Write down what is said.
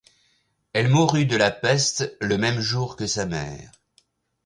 Elle mourut de la peste le même jour que sa mère.